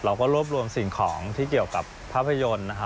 เราก็รวบรวมสิ่งของที่เกี่ยวกับภาพยนตร์นะครับ